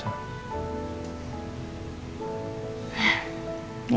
semoga cepat selesai ya